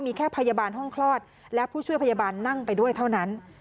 มีแค่พยาบาลห้องคลอดและผู้ช่วยพยาบาลนั่งไปด้วยเท่านั้น